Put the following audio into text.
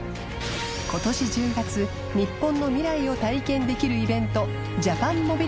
禳Ｇ隠扱日本の未来を体験できるイベント